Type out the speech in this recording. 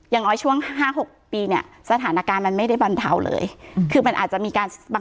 อย่างน้อยช่วงห้าหกปีเนี้ยสถานการณ์มันไม่ได้บรรเทาเลยคือมันอาจจะมีการบาง